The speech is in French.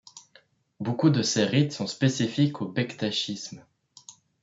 Beaucoup de ses rites sont spécifiques au bektachisme.